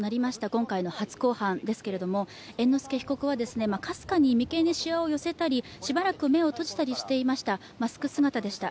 今回の初公判ですけれども猿之助被告はかすかに眉間にしわを寄せたりしばらく目を閉じたりしていました、マスク姿でした。